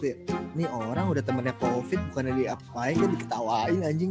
ini udah ada temennya covid bukan ada di apa apain kan diketawain anjing